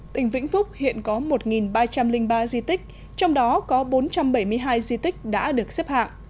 tỉnh vĩnh phúc hiện có một ba trăm linh ba di tích trong đó có bốn trăm bảy mươi hai di tích đã được xếp hạng